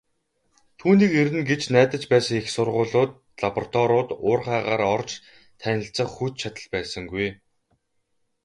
Түүнийг ирнэ гэж найдаж байсан их сургуулиуд, лабораториуд, уурхайгаар орж танилцах хүч чадал байсангүй.